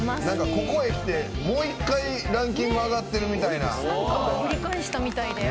ここへきてもう一回、ランキング上がってきてるみたいな。